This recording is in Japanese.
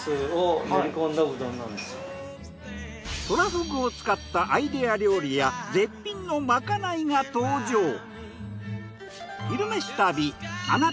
トラフグを使ったアイデア料理や絶品のまかないが登場。